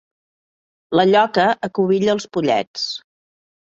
La lloca acubilla els pollets.